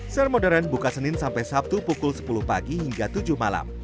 sare modern buka senin sampai sabtu pukul sepuluh pagi hingga tujuh malam